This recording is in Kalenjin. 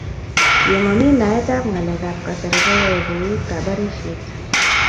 ye mami naet ab ngalek ab kasari koae kouit kabarishiet